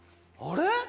あれ？